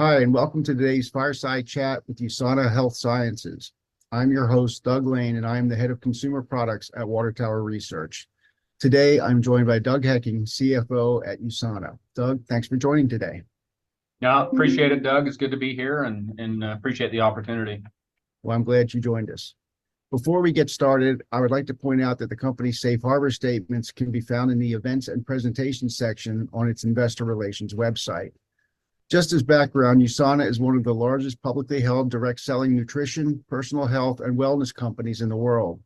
Hi, and welcome to today's fireside chat with USANA Health Sciences. I'm your host, Doug Lane, and I'm the head of consumer products at Water Tower Research. Today, I'm joined by Doug Hekking, CFO at USANA. Doug, thanks for joining today. Yeah, appreciate it, Doug. It's good to be here, and appreciate the opportunity. Well, I'm glad you joined us. Before we get started, I would like to point out that the company's safe harbor statements can be found in the Events and Presentation section on its investor relations website. Just as background, USANA is one of the largest publicly held direct-selling nutrition, personal health, and wellness companies in the world.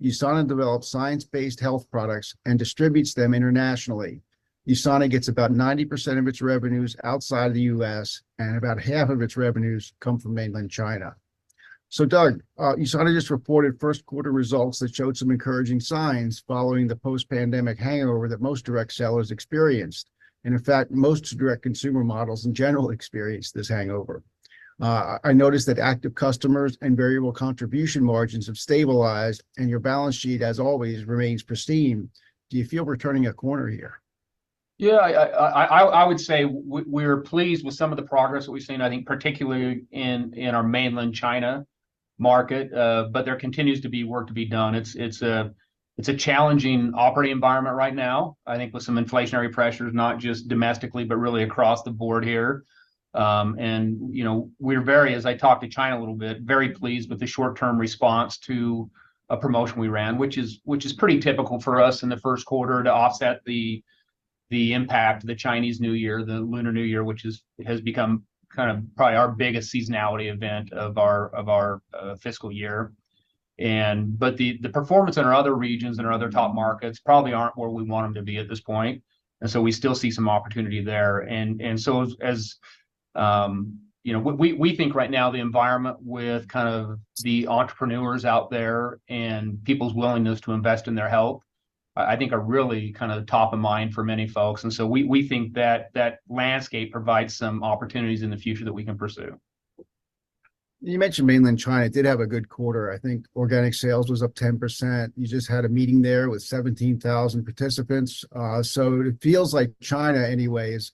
USANA develops science-based health products and distributes them internationally. USANA gets about 90% of its revenues outside of the U.S., and about 1/2 of its revenues come from mainland China. So, Doug, USANA just reported first-quarter results that showed some encouraging signs following the post-pandemic hangover that most direct sellers experienced, and in fact, most direct-to-consumer models in general experienced this hangover. I noticed that active customers and variable contribution margins have stabilized, and your balance sheet, as always, remains pristine. Do you feel we're turning a corner here? Yeah, I would say we're pleased with some of the progress that we've seen, I think particularly in our mainland China market. But there continues to be work to be done. It's a challenging operating environment right now, I think with some inflationary pressures, not just domestically, but really across the board here. And, you know, we're very, as I talk to China a little bit, very pleased with the short-term response to a promotion we ran, which is pretty typical for us in the first quarter to offset the impact of the Chinese New Year, the Lunar New Year, which has become kind of probably our biggest seasonality event of our fiscal year. But the performance in our other regions and our other top markets probably aren't where we want them to be at this point, and so we still see some opportunity there. So as you know, we think right now the environment with kind of the entrepreneurs out there and people's willingness to invest in their health, I think are really kind of top of mind for many folks. So we think that that landscape provides some opportunities in the future that we can pursue. You mentioned mainland China. It did have a good quarter. I think organic sales was up 10%. You just had a meeting there with 17,000 participants. So it feels like China, anyway, is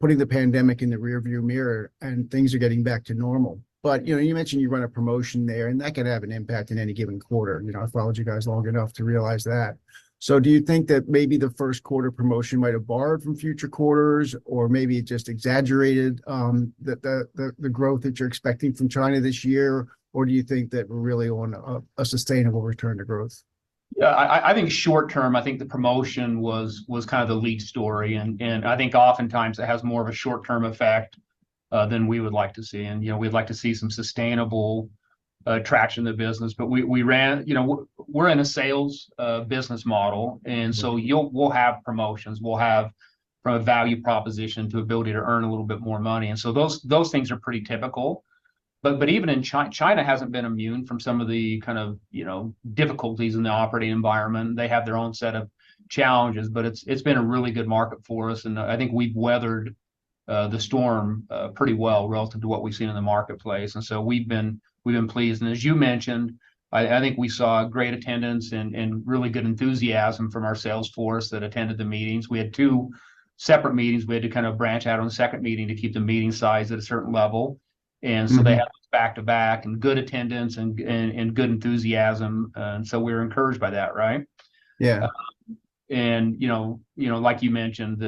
putting the pandemic in the rear view mirror, and things are getting back to normal. But, you know, you mentioned you run a promotion there, and that could have an impact in any given quarter. You know, I've followed you guys long enough to realize that. So do you think that maybe the first quarter promotion might have borrowed from future quarters, or maybe it just exaggerated the growth that you're expecting from China this year? Or do you think that we're really on a sustainable return to growth? Yeah, I think short term, I think the promotion was kind of the lead story, and I think oftentimes it has more of a short-term effect than we would like to see. And, you know, we'd like to see some sustainable traction in the business. But we ran... You know, we're in a sales business model, and so we'll have promotions. We'll have from a value proposition to ability to earn a little bit more money, and so those things are pretty typical. But even in China hasn't been immune from some of the kind of, you know, difficulties in the operating environment. They have their own set of challenges, but it's been a really good market for us, and I think we've weathered the storm pretty well relative to what we've seen in the marketplace, and so we've been pleased. As you mentioned, I think we saw great attendance and really good enthusiasm from our sales force that attended the meetings. We had two separate meetings. We had to kind of branch out on the second meeting to keep the meeting size at a certain level. Mm-hmm. And so they had back-to-back, and good attendance and good enthusiasm, and so we're encouraged by that, right? Yeah. And you know, like you mentioned,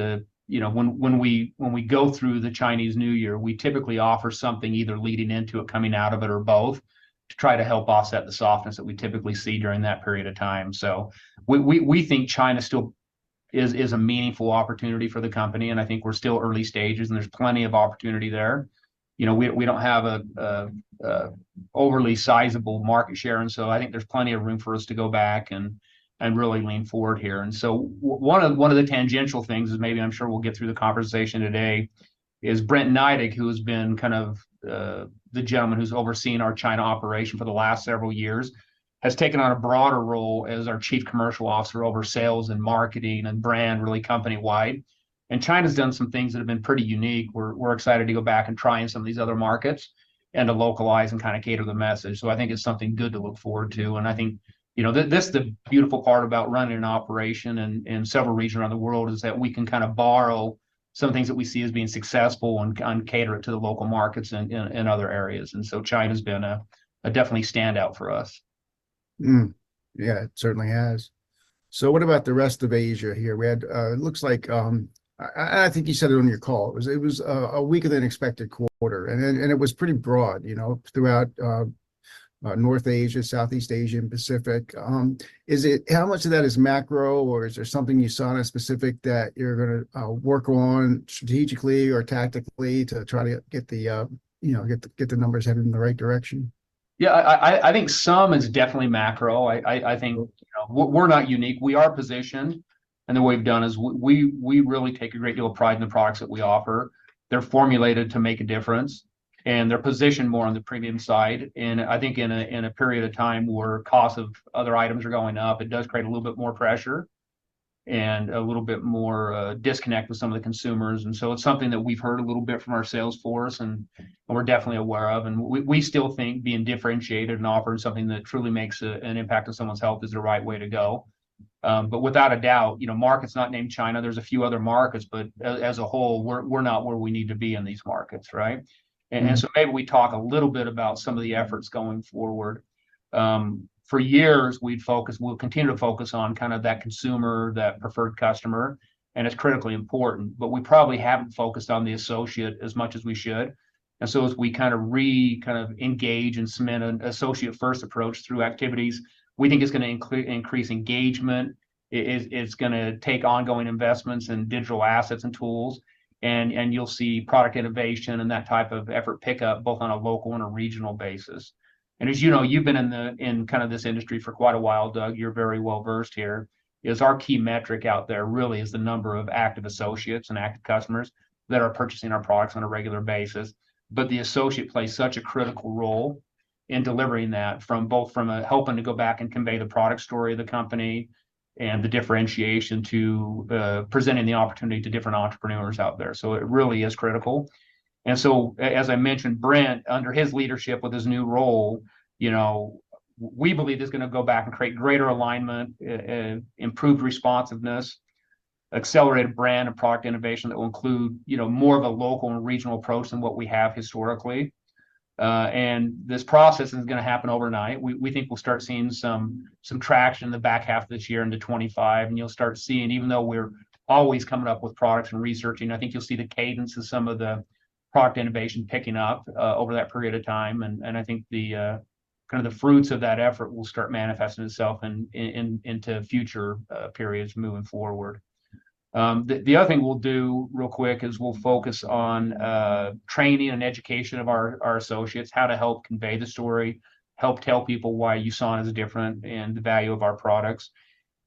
you know, when we go through the Chinese New Year, we typically offer something either leading into it, coming out of it, or both, to try to help offset the softness that we typically see during that period of time. So we think China still is a meaningful opportunity for the company, and I think we're still early stages, and there's plenty of opportunity there. You know, we don't have an overly sizable market share, and so I think there's plenty of room for us to go back and really lean forward here. And so one of, one of the tangential things is maybe I'm sure we'll get through the conversation today, is Brent Neidig, who has been kind of, the gentleman who's overseeing our China operation for the last several years, has taken on a broader role as our Chief Commercial Officer over sales and marketing and brand, really company-wide. And China's done some things that have been pretty unique. We're, we're excited to go back and try in some of these other markets and to localize and kind of cater the message. So I think it's something good to look forward to. I think, you know, that's the beautiful part about running an operation in several regions around the world, is that we can kind of borrow some things that we see as being successful and cater it to the local markets in other areas. And so China's been a definitely standout for us. Mm. Yeah, it certainly has. So what about the rest of Asia here? We had it looks like I think you said it on your call. It was a weaker-than-expected quarter, and it was pretty broad, you know, throughout North Asia, Southeast Asia, and Pacific. Is it how much of that is macro, or is there something USANA specific that you're gonna work on strategically or tactically to try to get the you know get the numbers headed in the right direction? Yeah, I think some is definitely macro. I think, you know, we're not unique. We are positioned, and the way we've done is we really take a great deal of pride in the products that we offer. They're formulated to make a difference, and they're positioned more on the premium side. And I think in a period of time where costs of other items are going up, it does create a little bit more pressure and a little bit more disconnect with some of the consumers. And so it's something that we've heard a little bit from our sales force, and we're definitely aware of. And we still think being differentiated and offering something that truly makes an impact on someone's health is the right way to go.... But without a doubt, you know, markets not named China, there's a few other markets, but as a whole, we're not where we need to be in these markets, right? Mm-hmm. Maybe we talk a little bit about some of the efforts going forward. For years, we'll continue to focus on kind of that consumer, that preferred customer, and it's critically important, but we probably haven't focused on the associate as much as we should. As we kind of rekindle and engage and cement an associate-first approach through activities, we think it's gonna include increased engagement. It's gonna take ongoing investments in digital assets and tools, and you'll see product innovation and that type of effort pick up, both on a local and a regional basis. And as you know, you've been in the in kind of this industry for quite a while, Doug. You're very well versed here. Is our key metric out there really the number of active associates and active customers that are purchasing our products on a regular basis. But the associate plays such a critical role in delivering that from both a helping to go back and convey the product story of the company, and the differentiation to presenting the opportunity to different entrepreneurs out there. So it really is critical. And so as I mentioned, Brent, under his leadership with his new role, you know, we believe is gonna go back and create greater alignment, improved responsiveness, accelerated brand and product innovation that will include, you know, more of a local and regional approach than what we have historically. This process isn't gonna happen overnight. We think we'll start seeing some traction in the back half of this year into 2025, and you'll start seeing, even though we're always coming up with products and researching, I think you'll see the cadence of some of the product innovation picking up over that period of time. And I think the kind of fruits of that effort will start manifesting itself into future periods moving forward. The other thing we'll do real quick is we'll focus on training and education of our associates, how to help convey the story, help tell people why USANA is different and the value of our products.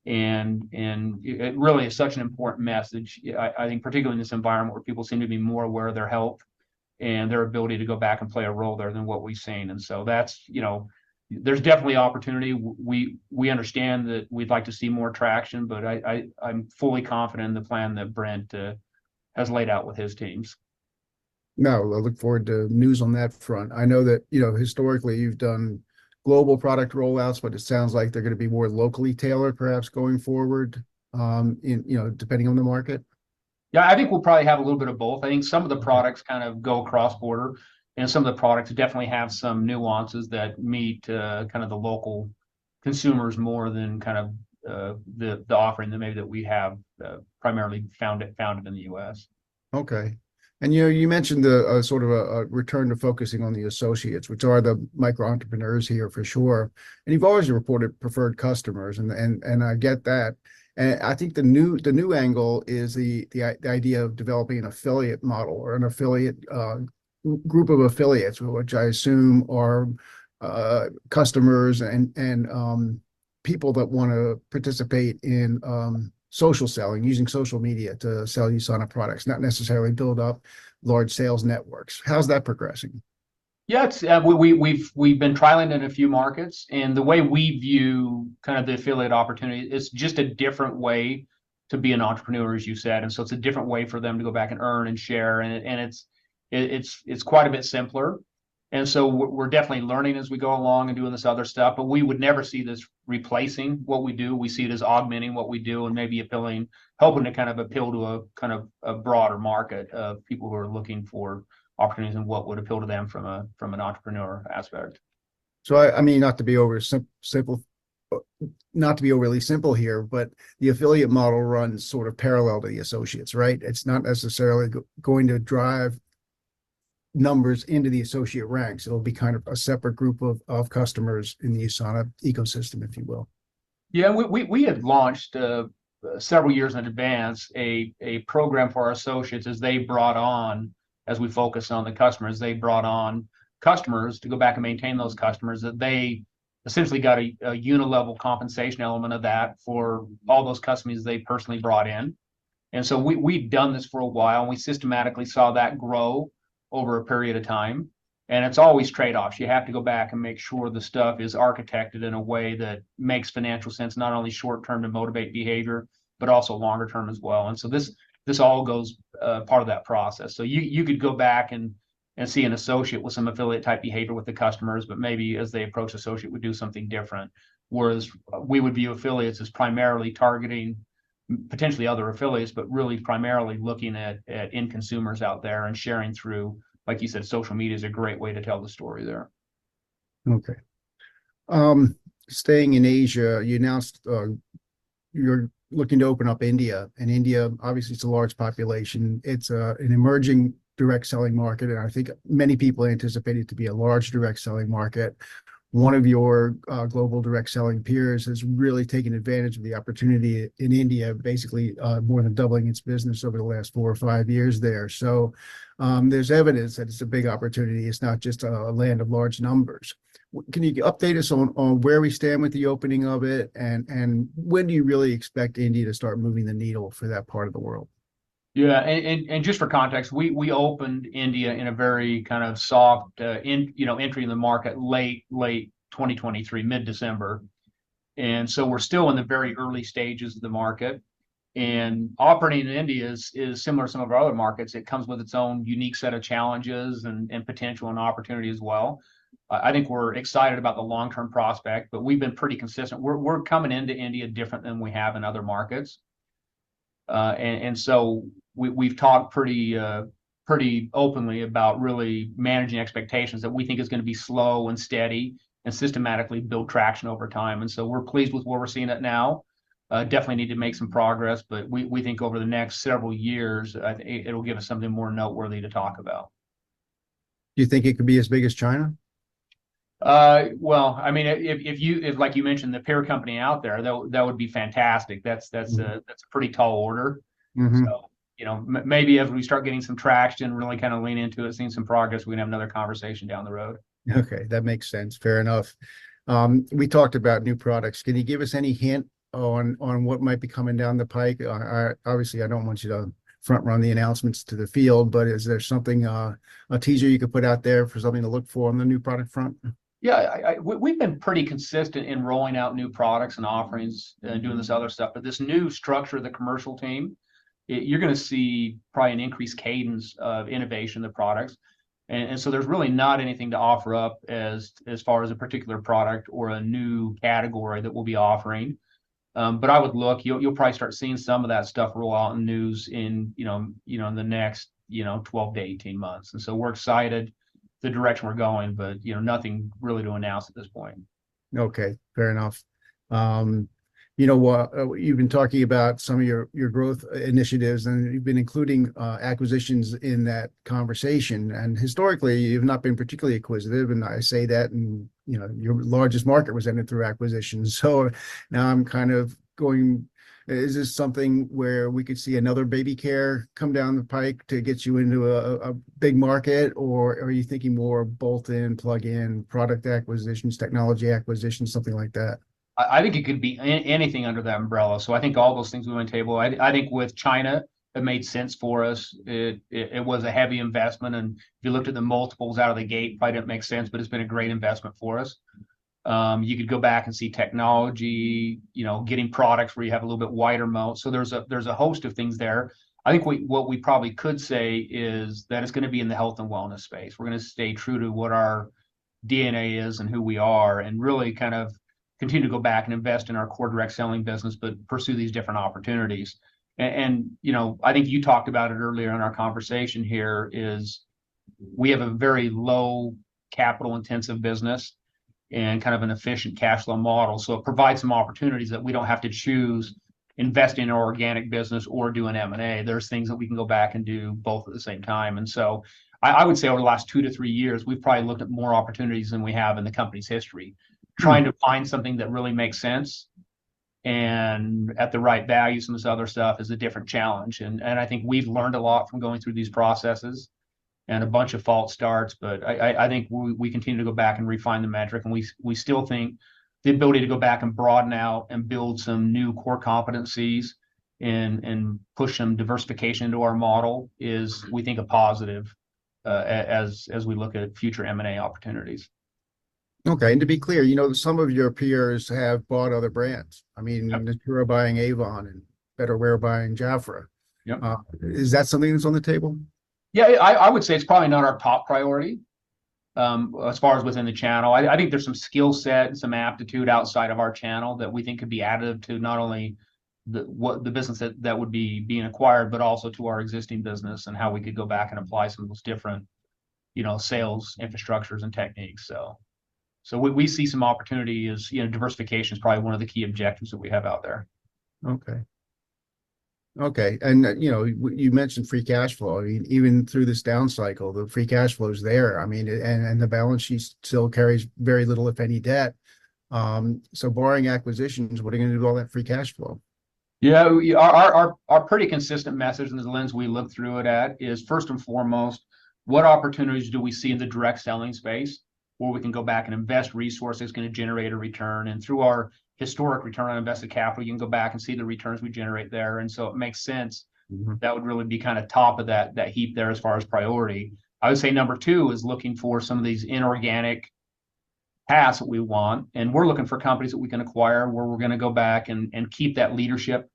It really is such an important message, I think particularly in this environment, where people seem to be more aware of their health and their ability to go back and play a role there than what we've seen. And so that's, you know... There's definitely opportunity. We understand that we'd like to see more traction, but I'm fully confident in the plan that Brent has laid out with his teams. Now, I look forward to news on that front. I know that, you know, historically, you've done global product rollouts, but it sounds like they're gonna be more locally tailored, perhaps, going forward, in, you know, depending on the market. Yeah, I think we'll probably have a little bit of both. I think some of the products- Mm... kind of go cross-border, and some of the products definitely have some nuances that meet kind of the local consumers more than kind of the offering that maybe that we have primarily founded in the U.S. Okay. And, you know, you mentioned the sort of a return to focusing on the associates, which are the micro-entrepreneurs here, for sure. And you've always reported preferred customers, and I get that. And I think the new angle is the idea of developing an affiliate model or an affiliate group of affiliates, which I assume are customers and people that want to participate in social selling, using social media to sell USANA products, not necessarily build up large sales networks. How's that progressing? Yeah, we've been trialing it in a few markets. The way we view kind of the affiliate opportunity, it's just a different way to be an entrepreneur, as you said, and so it's a different way for them to go back and earn and share, and it's quite a bit simpler. So we're definitely learning as we go along and doing this other stuff, but we would never see this replacing what we do. We see it as augmenting what we do and maybe appealing, helping to kind of appeal to a kind of a broader market of people who are looking for alternatives and what would appeal to them from an entrepreneur aspect. I mean, not to be overly simple here, but the affiliate model runs sort of parallel to the associates, right? It's not necessarily going to drive numbers into the associate ranks. It'll be kind of a separate group of customers in the USANA ecosystem, if you will. Yeah, we had launched several years in advance a program for our associates as they brought on, as we focused on the customers, they brought on customers to go back and maintain those customers, that they essentially got a unilevel compensation element of that for all those customers they personally brought in. And so we've done this for a while, and we systematically saw that grow over a period of time. And it's always trade-offs. You have to go back and make sure the stuff is architected in a way that makes financial sense, not only short term to motivate behavior, but also longer term as well. And so this all goes part of that process. So you could go back and see an associate with some affiliate-type behavior with the customers, but maybe as they approach associate, we do something different. Whereas we would view affiliates as primarily targeting potentially other affiliates, but really primarily looking at end consumers out there and sharing through, like you said, social media is a great way to tell the story there. Okay. Staying in Asia, you announced you're looking to open up India, and India, obviously, it's a large population. It's an emerging direct selling market, and I think many people anticipate it to be a large direct selling market. One of your global direct selling peers has really taken advantage of the opportunity in India, basically more than doubling its business over the last four or five years there. So, there's evidence that it's a big opportunity. It's not just a land of large numbers. Can you update us on where we stand with the opening of it, and when do you really expect India to start moving the needle for that part of the world? Yeah, and just for context, we opened India in a very kind of soft, you know, entry in the market, late 2023, mid-December. And so we're still in the very early stages of the market. And operating in India is similar to some of our other markets. It comes with its own unique set of challenges, and potential, and opportunity as well. I think we're excited about the long-term prospect, but we've been pretty consistent. We're coming into India different than we have in other markets. And so we’ve talked pretty openly about really managing expectations, that we think it's gonna be slow and steady, and systematically build traction over time. And so we're pleased with where we're seeing it now. Definitely need to make some progress, but we think over the next several years, I think it'll give us something more noteworthy to talk about. Do you think it could be as big as China? Well, I mean, if, like you mentioned, the peer company out there, that would be fantastic. That's, that's- Mm... that's a pretty tall order. Mm-hmm. You know, maybe as we start getting some traction, really kind of lean into it, seeing some progress, we can have another conversation down the road. Okay, that makes sense. Fair enough. We talked about new products. Can you give us any hint on what might be coming down the pipe? Obviously I don't want you to front-run the announcements to the field, but is there something, a teaser you could put out there for something to look for on the new product front? Yeah, we've been pretty consistent in rolling out new products and offerings. Yeah... and doing this other stuff. But this new structure of the commercial team, you're gonna see probably an increased cadence of innovation of the products. And so there's really not anything to offer up as far as a particular product or a new category that we'll be offering. But I would look... You'll probably start seeing some of that stuff roll out in the news in, you know, you know, in the next 12 to 18 months. And so we're excited the direction we're going, but, you know, nothing really to announce at this point. Okay, fair enough. You know, you've been talking about some of your growth initiatives, and you've been including acquisitions in that conversation, and historically you've not been particularly acquisitive. And I say that, and, you know, your largest market was entered through acquisition. So now I'm kind of going, is this something where we could see another BabyCare come down the pipe to get you into a big market, or are you thinking more bolt-in, plug-in product acquisitions, technology acquisitions, something like that? I think it could be anything under that umbrella. So I think all those things we want to table. I think with China, it made sense for us. It was a heavy investment, and if you looked at the multiples out of the gate, probably didn't make sense, but it's been a great investment for us. You could go back and see technology, you know, getting products where you have a little bit wider moat. So there's a host of things there. I think what we probably could say is that it's gonna be in the health and wellness space. We're gonna stay true to what our DNA is and who we are, and really kind of continue to go back and invest in our core direct selling business, but pursue these different opportunities. You know, I think you talked about it earlier in our conversation here, is we have a very low capital-intensive business and kind of an efficient cash flow model. So it provides some opportunities that we don't have to choose investing in organic business or doing M&A. There's things that we can go back and do both at the same time. And so I would say over the last two to three years, we've probably looked at more opportunities than we have in the company's history. Mm. Trying to find something that really makes sense, and at the right value, some of this other stuff, is a different challenge. And I think we've learned a lot from going through these processes, and a bunch of false starts, but I think we continue to go back and refine the metric. And we still think the ability to go back and broaden out and build some new core competencies and push some diversification into our model is, we think, a positive as we look at future M&A opportunities. Okay, and to be clear, you know, some of your peers have bought other brands. Absolutely. I mean, Natura buying Avon and Betterware buying Jafra. Yep. Is that something that's on the table? Yeah, I would say it's probably not our top priority as far as within the channel. I think there's some skill set and some aptitude outside of our channel that we think could be additive to not only the business that would be being acquired, but also to our existing business, and how we could go back and apply some of those different, you know, sales infrastructures and techniques. So we see some opportunity as, you know, diversification is probably one of the key objectives that we have out there. Okay. Okay, and, you know, you mentioned free cash flow. I mean, even through this down cycle, the free cash flow is there. I mean, it... And, and the balance sheet still carries very little, if any, debt. So barring acquisitions, what are you gonna do with all that free cash flow? Yeah, our pretty consistent message, and the lens we look through it at, is first and foremost, what opportunities do we see in the direct selling space, where we can go back and invest resources gonna generate a return? And through our historic return on invested capital, you can go back and see the returns we generate there, and so it makes sense. Mm-hmm. That would really be kind of top of that heap there as far as priority. I would say number two is looking for some of these inorganic paths that we want, and we're looking for companies that we can acquire, where we're gonna go back and keep that leadership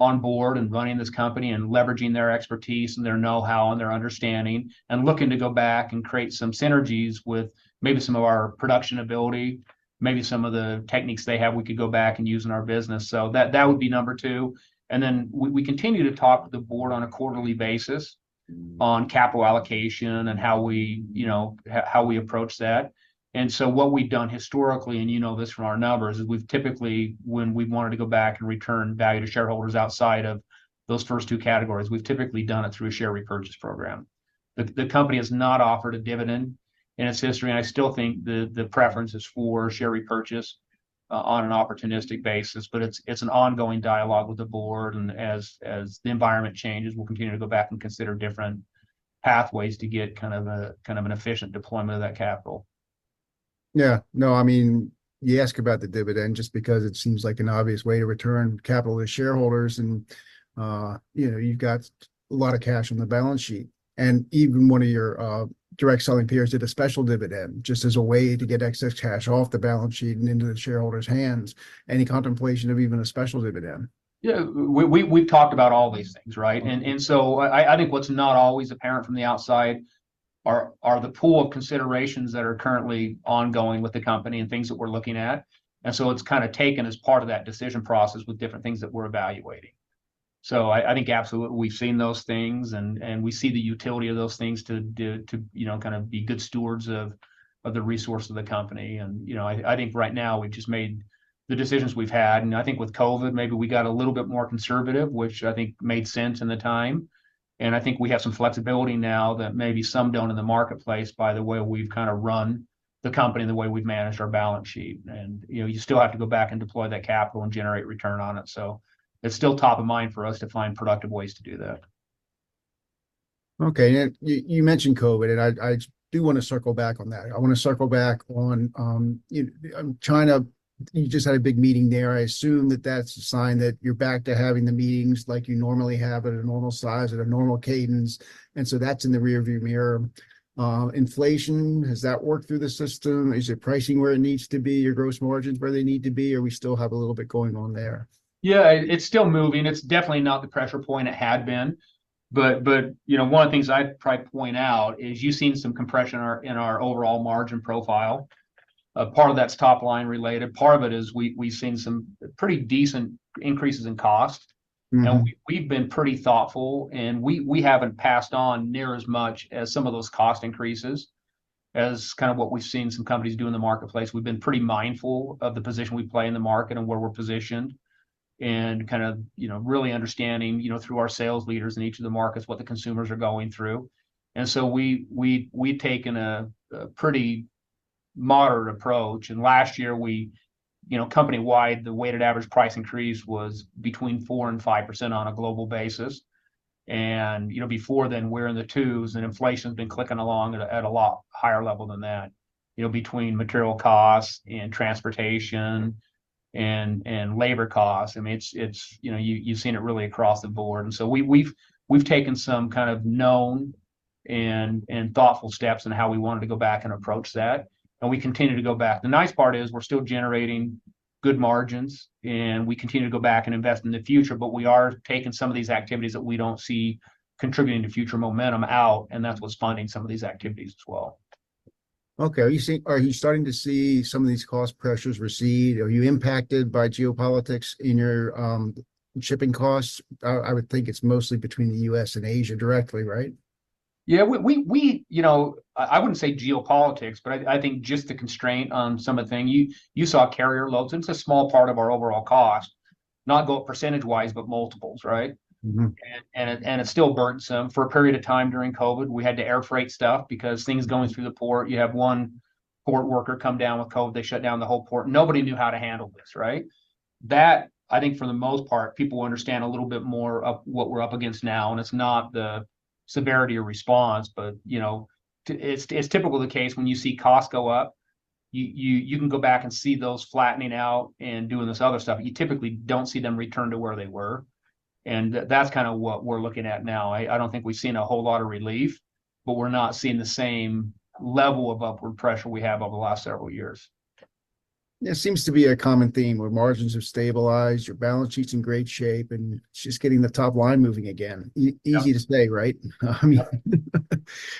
on board and running this company, and leveraging their expertise, and their know-how, and their understanding. And looking to go back and create some synergies with maybe some of our production ability, maybe some of the techniques they have, we could go back and use in our business. So that would be number two. And then we continue to talk with the board on a quarterly basis- Mm... on capital allocation and how we, you know, how we approach that. And so what we've done historically, and you know this from our numbers, is we've typically, when we've wanted to go back and return value to shareholders outside of those first two categories, we've typically done it through a share repurchase program. The company has not offered a dividend in its history, and I still think the preference is for share repurchase on an opportunistic basis. But it's an ongoing dialogue with the board, and as the environment changes, we'll continue to go back and consider different pathways to get kind of an efficient deployment of that capital. Yeah. No, I mean, you ask about the dividend just because it seems like an obvious way to return capital to shareholders, and you know, you've got a lot of cash on the balance sheet, and even one of your Direct Selling peers did a special dividend just as a way to get excess cash off the balance sheet and into the shareholders' hands. Any contemplation of even a special dividend? Yeah, we've talked about all these things, right? And so I think what's not always apparent from the outside are the pool of considerations that are currently ongoing with the company and things that we're looking at. And so it's kind of taken as part of that decision process with different things that we're evaluating. So I think absolutely we've seen those things, and we see the utility of those things to, you know, kind of be good stewards of the resource of the company. And, you know, I think right now we've just made the decisions we've had, and I think with COVID, maybe we got a little bit more conservative, which I think made sense in the time. I think we have some flexibility now that maybe some don't in the marketplace, by the way, we've kind of run the company and the way we've managed our balance sheet. You know, you still have to go back and deploy that capital and generate return on it. It's still top of mind for us to find productive ways to do that. Okay. And you mentioned COVID, and I do wanna circle back on that. I wanna circle back on China. You just had a big meeting there. I assume that that's a sign that you're back to having the meetings like you normally have at a normal size, at a normal cadence, and so that's in the rear view mirror. Inflation, has that worked through the system? Is the pricing where it needs to be, your gross margins where they need to be, or we still have a little bit going on there? Yeah, it's still moving. It's definitely not the pressure point it had been. But, you know, one of the things I'd probably point out is you've seen some compression in our overall margin profile. A part of that's top line related, part of it is we've seen some pretty decent increases in cost. Mm-hmm. And we've been pretty thoughtful, and we haven't passed on near as much as some of those cost increases, as kind of what we've seen some companies do in the marketplace. We've been pretty mindful of the position we play in the market and where we're positioned, and kind of, you know, really understanding, you know, through our sales leaders in each of the markets, what the consumers are going through. And so we've taken a pretty moderate approach, and last year we, you know, company-wide, the weighted average price increase was between 4%-5% on a global basis. And, you know, before then, we're in the two`s, and inflation's been clicking along at a lot higher level than that. You know, between material costs and transportation and labor costs, I mean, it's... You know, you've seen it really across the board. And so we've taken some kind of known and thoughtful steps in how we wanted to go back and approach that, and we continue to go back. The nice part is we're still generating good margins, and we continue to go back and invest in the future, but we are taking some of these activities that we don't see contributing to future momentum out, and that's what's funding some of these activities as well. Okay. Are you starting to see some of these cost pressures recede? Are you impacted by geopolitics in your shipping costs? I would think it's mostly between the U.S. and Asia directly, right? Yeah, we... You know, I wouldn't say geopolitics, but I think just the constraint on some of the thing. You saw carrier loads, it's a small part of our overall cost. Not go up percentage-wise, but multiples, right? Mm-hmm. And it's still burdensome. For a period of time during COVID, we had to air freight stuff because things going through the port, you have one port worker come down with COVID, they shut down the whole port. Nobody knew how to handle this, right? That, I think for the most part, people understand a little bit more of what we're up against now, and it's not the severity of response. But, you know, it's typical the case when you see costs go up, you can go back and see those flattening out and doing this other stuff, but you typically don't see them return to where they were, and that's kind of what we're looking at now. I don't think we've seen a whole lot of relief, but we're not seeing the same level of upward pressure we have over the last several years. Yeah, seems to be a common theme where margins have stabilized, your balance sheet's in great shape, and it's just getting the top line moving again. Yeah. Easy to say, right? I mean...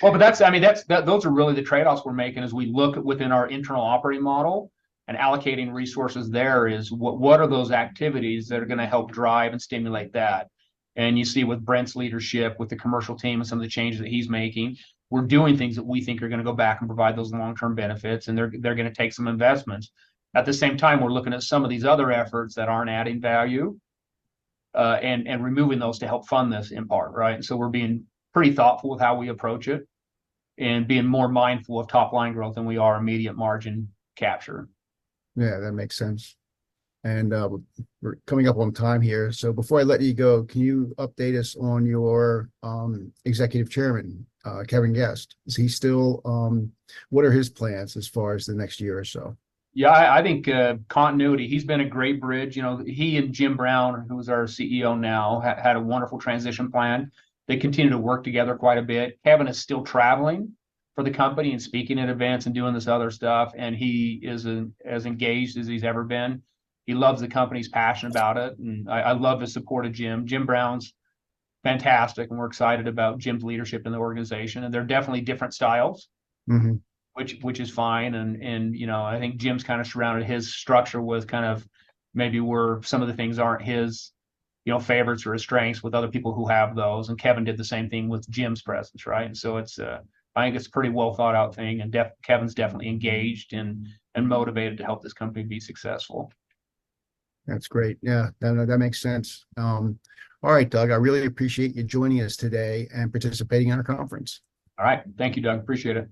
Well, but that's, I mean, those are really the trade-offs we're making as we look within our internal operating model and allocating resources there. What are those activities that are gonna help drive and stimulate that? And you see with Brent's leadership, with the commercial team and some of the changes that he's making, we're doing things that we think are gonna go back and provide those long-term benefits, and they're gonna take some investments. At the same time, we're looking at some of these other efforts that aren't adding value and removing those to help fund this in part, right? So we're being pretty thoughtful with how we approach it and being more mindful of top-line growth than we are immediate margin capture. Yeah, that makes sense. We're coming up on time here. Before I let you go, can you update us on your Executive Chairman, Kevin Guest? Is he still... What are his plans as far as the next year or so? Yeah, I think, continuity. He's been a great bridge. You know, he and Jim Brown, who is our CEO now, had a wonderful transition plan. They continue to work together quite a bit. Kevin is still traveling for the company and speaking in advance and doing this other stuff, and he is as engaged as he's ever been. He loves the company. He's passionate about it. Yes. I love his support of Jim. Jim Brown's fantastic, and we're excited about Jim's leadership in the organization, and they're definitely different styles- Mm-hmm... which is fine. And you know, I think Jim's kind of surrounded his structure with kind of maybe where some of the things aren't his, you know, favorites or his strengths with other people who have those, and Kevin did the same thing with Jim's presence, right? So it's, I think it's a pretty well thought out thing, and Kevin's definitely engaged and motivated to help this company be successful. That's great. Yeah, that, that makes sense. All right, Doug, I really appreciate you joining us today and participating in our conference. All right. Thank you, Doug. Appreciate it.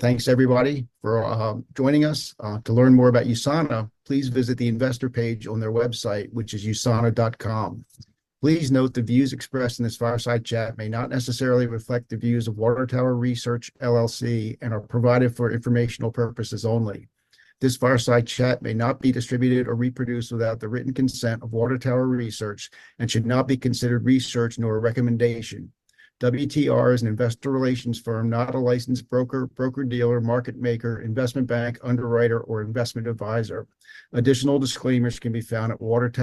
Thanks everybody for joining us. To learn more about USANA, please visit the investor page on their website, which is usana.com. Please note the views expressed in this fireside chat may not necessarily reflect the views of Water Tower Research, LLC, and are provided for informational purposes only. This fireside chat may not be distributed or reproduced without the written consent of Water Tower Research and should not be considered research nor a recommendation. WTR is an investor relations firm, not a licensed broker, broker-dealer, market maker, investment bank, underwriter, or investment advisor. Additional disclaimers can be found at Water Tower-